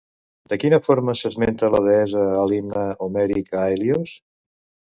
De quina forma s'esmenta la deessa a l'Himne homèric a Hèlios?